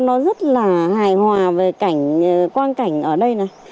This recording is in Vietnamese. nó rất là hài hòa về quang cảnh ở đây này